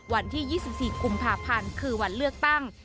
วันที่๒๔กุมภาพันธ์คือวันเลือกตั้ง